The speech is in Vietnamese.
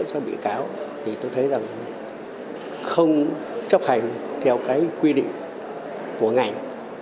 tôi thấy là không chấp hành theo quy định của ngành